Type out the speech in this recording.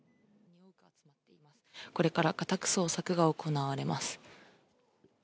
これから家宅捜索が行われま